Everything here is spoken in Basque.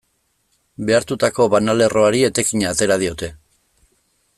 Behartutako banalerroari etekina atera diote.